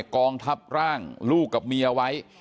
กองทับร่างลูกกับเมียไว้